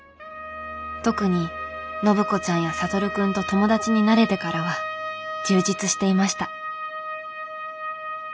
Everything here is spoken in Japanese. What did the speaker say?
特に暢子ちゃんや智くんと友達になれてからは充実していました。